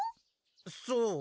そう？